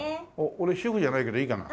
俺主婦じゃないけどいいかな？